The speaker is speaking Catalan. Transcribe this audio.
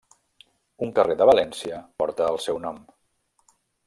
Un carrer de València porta el seu nom.